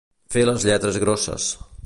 Fer les lletres grosses.